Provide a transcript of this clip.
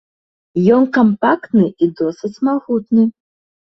Ён кампактны і досыць магутны.